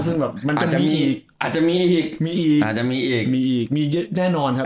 ซึ่งมันจะมีอีกมีอีกมีแน่นอนครับ